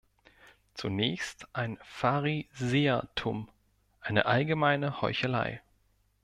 Zunächst ein Pharisäertum, eine allgemeine Heuchelei!